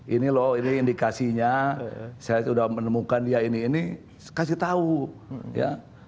ini loh ini indikasinya saya sudah menemukan dia ini ini kasih tahu ya